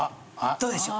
どうでしょう？